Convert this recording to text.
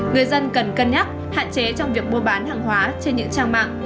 người dân cần cân nhắc hạn chế trong việc mua bán hàng hóa trên những trang mạng